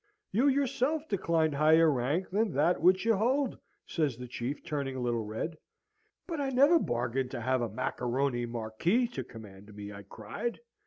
"'You yourself declined higher rank than that which you hold,' says the Chief, turning a little red. "'But I never bargained to have a macaroni Marquis to command me!' I cried.